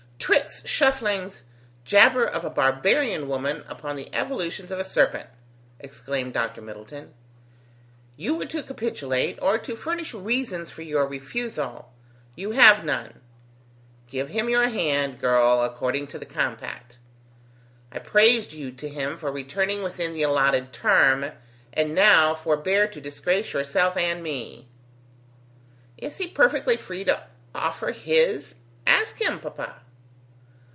"Tricks! shufflings! jabber of a barbarian woman upon the evolutions of a serpent!" exclaimed Dr. Middleton. "You were to capitulate, or to furnish reasons for your refusal. You have none. Give him your hand, girl, according to the compact. I praised you to him for returning within the allotted term, and now forbear to disgrace yourself and me." "Is he perfectly free to offer his? Ask him, papa."